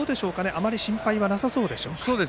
あまり心配はなさそうですか？